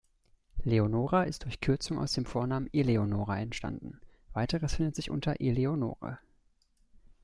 Leonora ist durch Kürzung aus dem Vornamen Eleonora entstanden; Weiteres findet sich unter Eleonore.